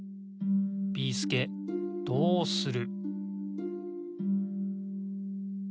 ビーすけどうする？